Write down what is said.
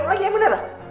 kali kau belajar ya